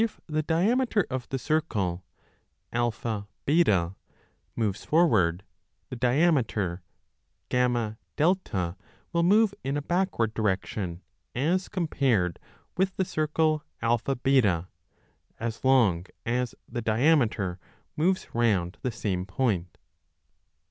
i. the diameter of the circle AB moves forward, the diameter FA will move in a backward direction as compared with the circle AB, as long as the diameter moves round the same point.